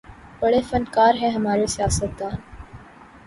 بڑے فنکار ہیں ہمارے سیاستدان